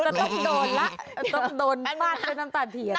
ต้องโดนละต้องโดนต้องมาดเทียนน้ำตาเทียน